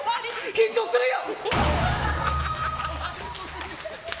緊張するよ！